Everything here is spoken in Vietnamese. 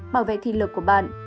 bảo vệ thi lực của bạn